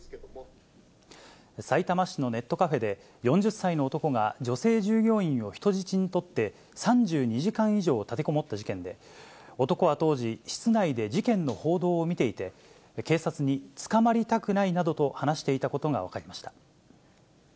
さいたま市のネットカフェで、４０歳の男が女性従業員を人質に取って、３２時間以上立てこもった事件で、男は当時、室内で事件の報道を見ていて、警察に捕まりたくないなどと話していたことが分かりました。